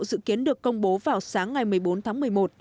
dự kiến được công bố vào sáng ngày một mươi bốn tháng một mươi một